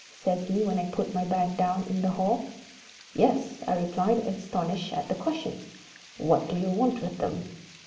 says he, when I put my bag down in the hall. "Yes," I replied, astonished at the question. "What do you want with them?"